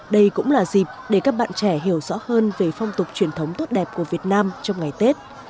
đây cũng là dịp để các bạn trẻ hiểu rõ hơn về phong tục truyền thống tốt đẹp của việt nam trong ngày tết